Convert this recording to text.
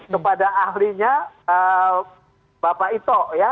kepada ahlinya bapak ito ya